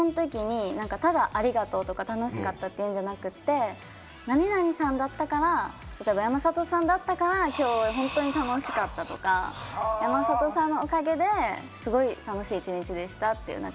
そのときに、ただありがとうとか、楽しかったという感じじゃなくて、何々さんだったから、山里さんだったから、きょう本当に楽しかったとか、山里さんのおかげで、すごい楽しい一日でしたって。